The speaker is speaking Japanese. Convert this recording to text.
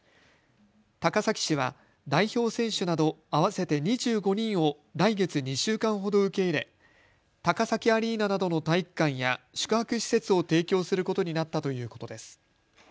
高崎市は代表選手など合わせて２５人を来月２週間ほど受け入れ高崎アリーナなどの体育館や宿泊施設を提供することになったということです。